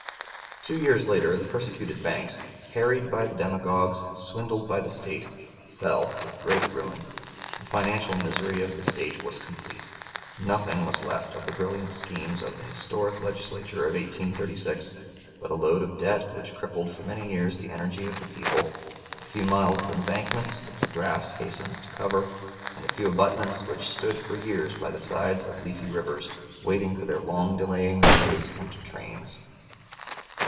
Two years later the persecuted banks, harried by the demagogues and swindled by the State, fell with a great ruin, and the financial misery of the State was complete. Nothing was left of the brilliant schemes of the historic Legislature of 1836 but a load of debt which crippled for many years the energies of the people, a few miles of embankments which the grass hastened to cover, and a few abutments which stood for years by the sides of leafy rivers, waiting for their long delaying bridges and trains.